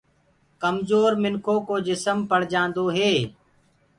ڪمجور منکُو ڪو جسم پݪ جآندو هي۔